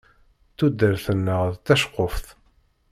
Tudert-nneɣ d taceqquft.